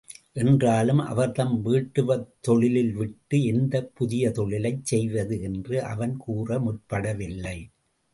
என்றாலும் அவர்தம் வேட்டுவத் தொழில் விட்டு எந்தப் புதிய தொழிலைச் செய்வது என்று அவன் கூற முற்படவில்லை.